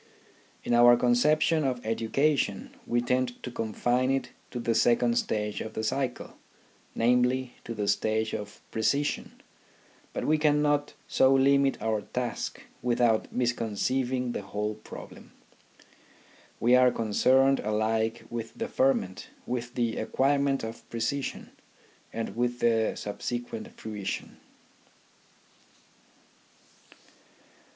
In our conception of education we tend to confine it to the second stage of the cycle ; namely, to the stage of precision. But we cannot so limit our task without misconceiving the whole problem. We are concerned alike with the ferment, with the acquirement of precision, and with the subsequent fruition.